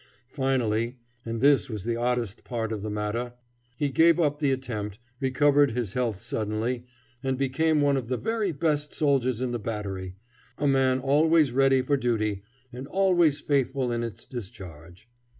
Finally, and this was the oddest part of the matter, he gave up the attempt, recovered his health suddenly, and became one of the very best soldiers in the battery, a man always ready for duty, and always faithful in its discharge.